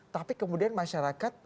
tapi kemudian masyarakat